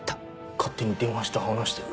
勝手に電話して話してる。